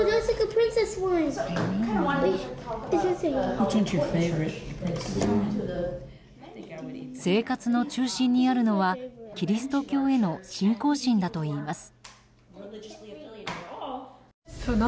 生活の中心にあるのはキリスト教への信仰心だといいます。